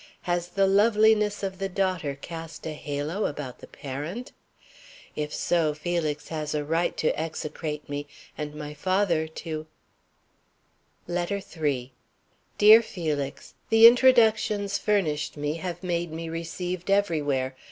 Has the loveliness of the daughter cast a halo about the parent? If so, Felix has a right to execrate me and my father to LETTER III. DEAR FELIX: The introductions furnished me have made me received everywhere.